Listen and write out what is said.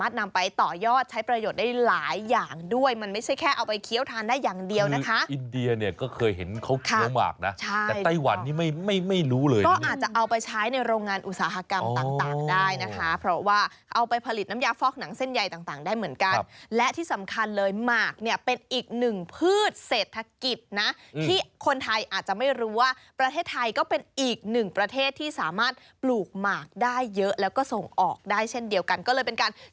แต่ไต้หวันนี่ไม่รู้เลยก็อาจจะเอาไปใช้ในโรงงานอุตสาหกรรมต่างได้นะคะเพราะว่าเอาไปผลิตน้ำยาฟอกหนังเส้นใยต่างได้เหมือนกันและที่สำคัญเลยหมากเนี่ยเป็นอีกหนึ่งพืชเศรษฐกิจนะที่คนไทยอาจจะไม่รู้ว่าประเทศไทยก็เป็นอีกหนึ่งประเทศที่สามารถปลูกหมากได้เยอะแล้วก็ส่งออกได้เช่นเดียวกันก็เลย